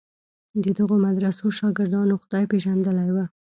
د دغو مدرسو شاګردانو خدای پېژندلی و.